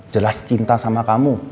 jelas cinta sama kamu